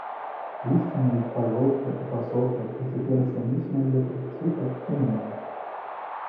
Лісце на іх пажоўкла і пасохла і цяпер шуміць на ветры ціха і нудна.